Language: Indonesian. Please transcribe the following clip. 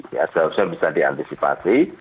ya seharusnya bisa diantisipasi